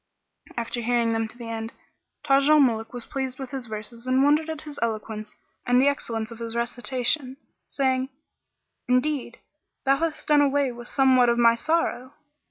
After hearing them to the end, Taj al Muluk was pleased with his verses and wondered at his eloquence and the excellence of his recitation, saying, "Indeed, thou hast done away with somewhat of my sorrow."